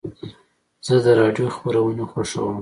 زه د راډیو خپرونې خوښوم.